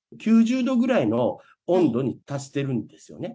９０度ぐらいの温度に達しているんですよね。